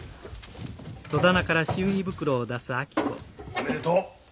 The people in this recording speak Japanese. おめでとう。